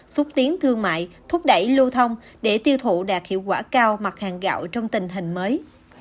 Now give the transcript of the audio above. xúc tiến thương mại thúc đẩy lưu thông để tiêu thụ đạt hiệu quả cao mặt hàng gạo trong tình hình mới